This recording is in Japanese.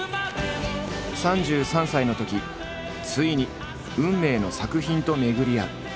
３３歳のときついに運命の作品と巡り合う。